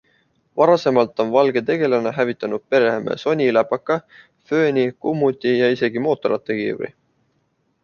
Varasemalt on valge tegelane hävitanud peremehe Sony läpaka, fööni, kummuti ja isegi mootorrattakiivri.